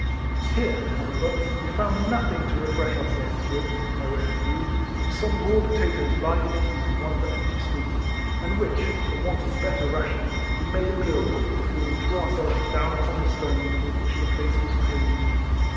Here, however, we found nothing to refresh ourselves with, by way of food, but some raw potatoes lying in a heap in one of the empty stalls, and which, for want of better rations, we made a meal of, before we threv/ ourselves down ujion the stones with which the place was paved.